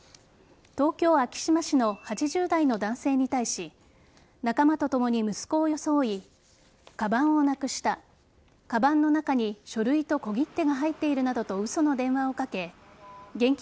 東京・昭島市の８０代の男性に対し仲間ともに息子を装いかばんをなくしたかばんの中に書類と小切手が入っているなどとうその電話をかけ現金